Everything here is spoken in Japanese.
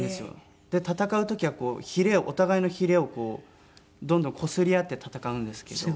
で闘う時はこうひれをお互いのひれをこうどんどんこすり合って闘うんですけど。